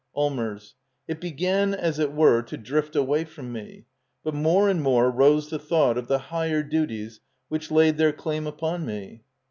Allmers. It began, as it were, to drift away from me. But more and more rose the thought of the higher duties which laid their claim upon me.